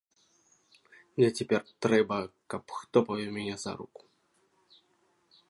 Мне цяпер трэба, каб хто павёў мяне за руку.